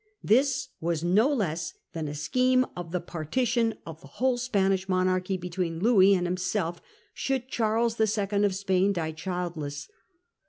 This was no less than a scheme of the partition of the whole Spanish monarchy between Louis and himself should Charles II. of Spain die childless.